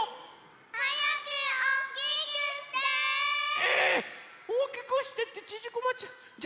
ええ⁉おおきくしてってちぢこまっちゃ。